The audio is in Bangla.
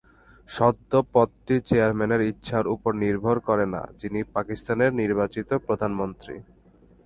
সদস্য পদটি চেয়ারম্যানের ইচ্ছার উপর নির্ভর করে না, যিনি পাকিস্তানের নির্বাচিত প্রধানমন্ত্রী।